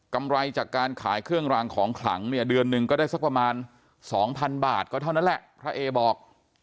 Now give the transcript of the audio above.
ไรจากการขายเครื่องรางของขลังเนี่ยเดือนหนึ่งก็ได้สักประมาณ๒๐๐๐บาทก็เท่านั้นแหละพระเอบอก